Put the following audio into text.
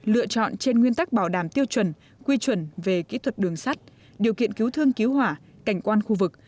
lựa chọn trên nguyên tắc bảo đảm tiêu chuẩn quy chuẩn về kỹ thuật đường sắt điều kiện cứu thương cứu hỏa cảnh quan khu vực